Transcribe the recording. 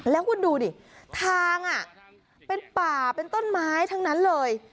แล้วคุณดูดิทางเป็นป่าเป็นต้นไม้ทั้งนั้นเลย